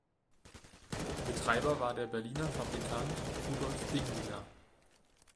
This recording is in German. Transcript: Betreiber war der Berliner Fabrikant Rudolf Dinglinger.